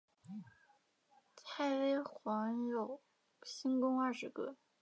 太微垣有星官二十个。